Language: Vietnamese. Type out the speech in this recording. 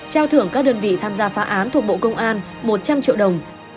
trao thưởng các đơn vị tham gia phá án thuộc bộ công an một trăm linh triệu đồng